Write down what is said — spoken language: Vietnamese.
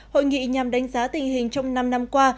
hội nghị nhằm đánh giá tình hình trong năm năm qua